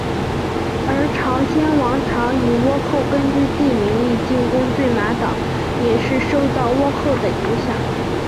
而朝鲜王朝以倭寇根据地名义进攻对马岛也是受到倭寇的影响。